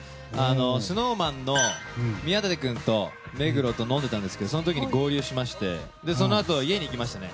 ＳｎｏｗＭａｎの宮舘君と目黒と飲んでいたんですけどその時に合流しましてそのあと家に行きましたね